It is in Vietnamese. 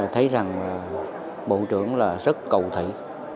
thấy rằng bộ trưởng là rất cầu thị